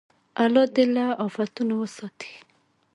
الله دې له افتونو وساتي.